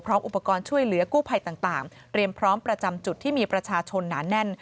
อุปกรณ์ช่วยเหลือกู้ภัยต่างเตรียมพร้อมประจำจุดที่มีประชาชนหนาแน่น